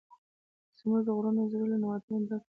زموږ د غرونو زړه له نعمتونو ډک دی.